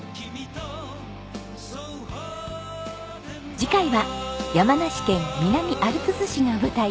次回は山梨県南アルプス市が舞台。